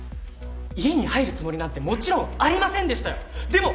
家に入るつもりなんてもちろんありませんでも。